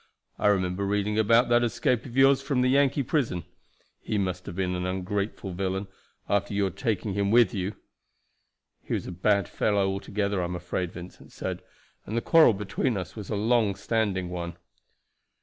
I remember reading about that escape of yours from the Yankee prison. He must have been an ungrateful villain, after your taking him with you." "He was a bad fellow altogether, I am afraid," Vincent said; "and the quarrel between us was a long standing one."